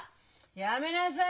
やめなさい！